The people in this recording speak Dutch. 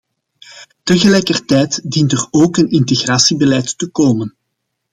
Tegelijkertijd dient er ook een integratiebeleid te komen.